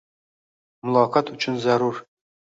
Muloqot uchun zarur